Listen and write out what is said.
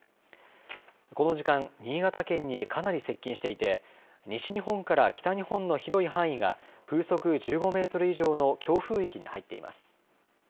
この時間新潟県に、かなり接近していて西日本から北日本の広い範囲が風速１５メートル以上の強風域に入っています。